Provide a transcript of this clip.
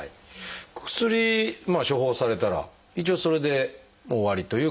薬処方されたら一応それでもう終わりという感じですか？